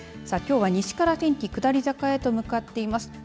さあ、きょうは西から天気下り坂へと向かっています。